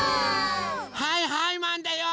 はいはいマンだよ！